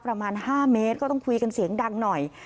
ประมาณ๕เมตรก็ต้องคุยกันเสียงดังหน่อย